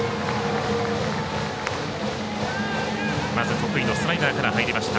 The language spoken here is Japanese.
まず得意のスライダーから入りました。